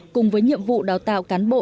cùng với nhiệm vụ đào tạo cán bộ